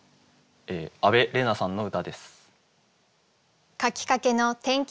阿部蓮南さんの歌です。